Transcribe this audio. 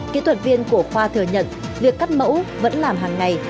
kỹ thuật viên của khoa thừa nhận việc cắt mẫu vẫn làm hàng ngày